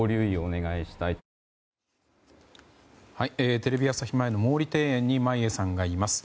テレビ朝日前の毛利庭園に眞家さんがいます。